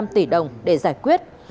một năm tỷ đồng để giải quyết